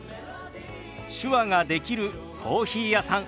手話ができるコーヒー屋さん